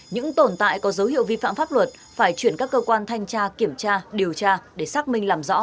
những tồn tại có dấu hiệu vi phạm pháp luật phải chuyển các cơ quan thanh tra kiểm tra điều tra để xác minh làm rõ